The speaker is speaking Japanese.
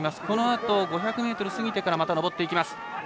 このあと、５００ｍ過ぎてからまた上っていきます。